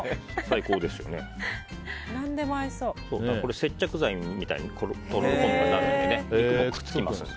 接着剤みたいにとろろ昆布がなるので肉もくっつきますので。